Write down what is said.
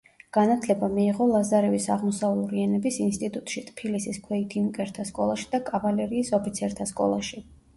განათლება მიიღო ლაზარევის აღმოსავლური ენების ინსტიტუტში, ტფილისის ქვეით იუნკერთა სკოლაში და კავალერიის ოფიცერთა სკოლაში.